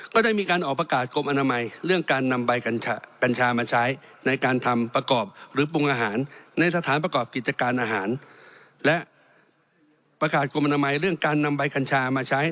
ก็ได้มีการออกประกาศกรมอนามัยเรื่องการนำใบกัญชากัญชามาใช้